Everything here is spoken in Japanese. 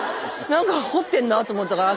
なんか掘ってんなと思ったからあ